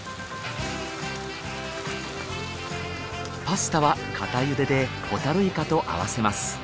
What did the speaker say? パスタは固ゆででホタルイカと合わせます。